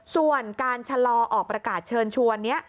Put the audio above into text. ส่วนการชะลอออกประกาศเชิญชวนนี้